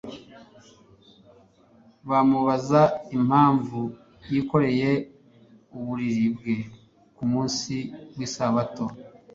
bamubaza impamvu yikoreye uburiri bwe ku munsi w’Isabato.